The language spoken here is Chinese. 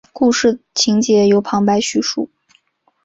故事情节由旁白叙述。